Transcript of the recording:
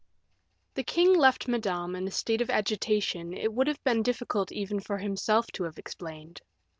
The king left Madame in a state of agitation it would have been difficult even for himself to have explained.